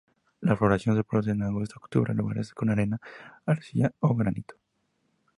La floración se produce en agosto-octubre de lugares con arena, arcilla o granito.